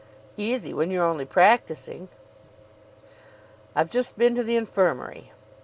"Easy when you're only practising." "I've just been to the Infirmary."